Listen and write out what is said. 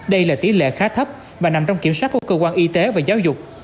đây là tỷ lệ khá thấp và nằm trong kiểm soát của cơ quan y tế và giáo dục